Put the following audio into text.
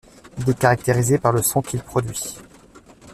Il est caractérisé par le son qu’il produit.